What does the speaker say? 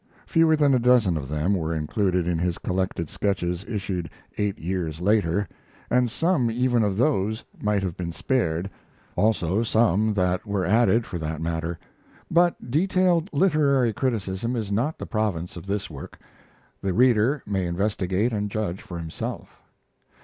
Fewer than a dozen of them were included in his collected Sketches issued eight years later, and some even of those might have been spared; also some that were added, for that matter; but detailed literary criticism is not the province of this work. The reader may investigate and judge for himself.